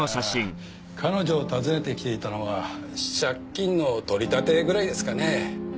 彼女を訪ねてきていたのは借金の取り立てぐらいですかね。